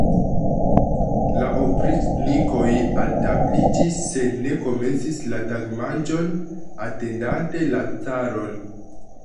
La opriĉnikoj altabliĝis, sed ne komencis la tagmanĝon, atendante la caron.